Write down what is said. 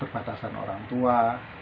pembelajaran orang tua